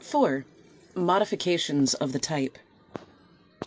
MODIFICATIONS OF THE TYPE.